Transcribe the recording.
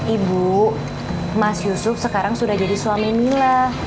ibu mas yusuf sekarang sudah jadi suami mila